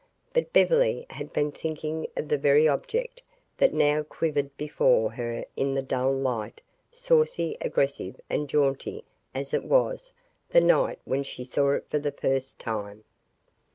But Beverly had been thinking of the very object that now quivered before her in the dull light, saucy, aggressive and jaunty as it was the night when she saw it for the first time.